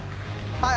はい！